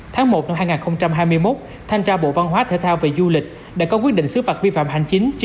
tháng một năm hai nghìn hai mươi một thanh tra bộ văn hóa thể thao và du lịch đã có quyết định xứ phạt vi phạm hành chính